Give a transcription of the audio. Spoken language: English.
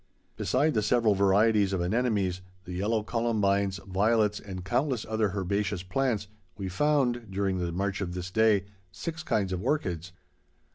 Beside the several varieties of anemones, the yellow columbines, violets, and countless other herbaceous plants, we found, during the march of this day, six kinds of orchids.